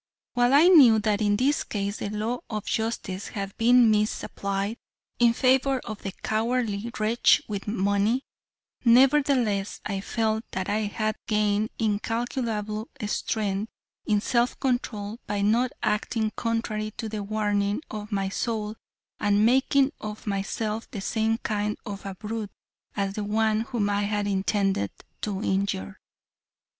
While I knew that in this case the law of justice had been misapplied in favor of the cowardly Wretch with money, nevertheless I felt that I had gained incalculable strength in self control by not acting contrary to the warning of my soul and making of myself the same kind of a brute as the one whom I had intended to injure.